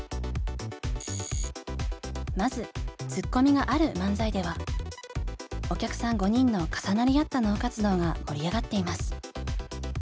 まずツッコミがある漫才ではお客さん５人の重なり合った脳活動が盛り上がっています。